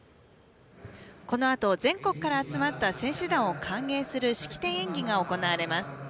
このあと全国から集まった選手団を歓迎する式典演技が行われます。